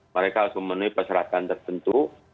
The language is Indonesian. mereka harus memenuhi persyaratan tertentu